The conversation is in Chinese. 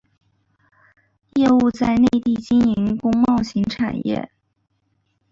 业务在内地经营工贸型产业。